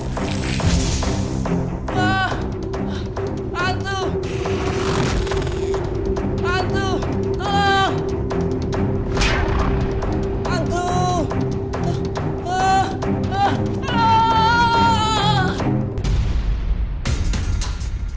tidak ada yang manggil